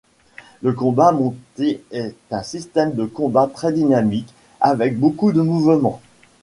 Le combat monté est un système de combat très dynamique, avec beaucoup de mouvements.